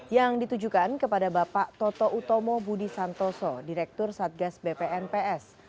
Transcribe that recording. yang ditujukan kepada bapak toto utomo budi santoso direktur satgas bpnps